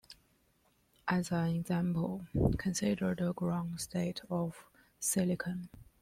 As an example, consider the ground state of silicon.